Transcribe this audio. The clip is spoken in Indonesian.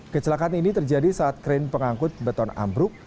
kecelakaan ini terjadi saat kren pengangkut beton ambruk